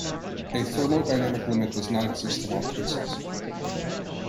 A thermodynamic limit does not exist in all cases.